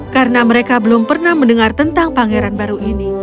karena mereka belum pernah mendengar tentang pangeran baru ini